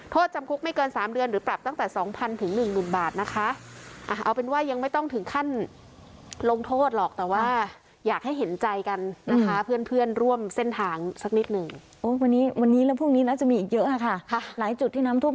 โทษจำคุกไม่เกิน๓เดือนหรือปรับตั้งแต่๒๐๐ถึงหมื่นบาทนะคะ